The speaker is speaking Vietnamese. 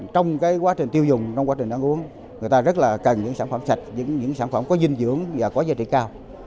trong quá trình tiêu dùng trong quá trình ăn uống người ta rất là cần những sản phẩm sạch những sản phẩm có dinh dưỡng và có giá trị cao